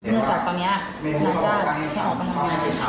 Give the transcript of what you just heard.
เมื่อกลับตอนนี้นาจารย์ให้ออกไปทำงาน